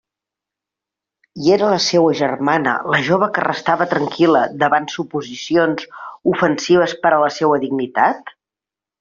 I era la seua germana la jove que restava tranquil·la davant suposicions ofensives per a la seua dignitat?